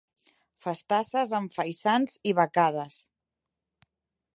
Festasses amb faisans i becades.